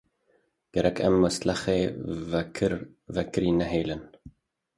Gerek em muslixê vekirî nehêlin.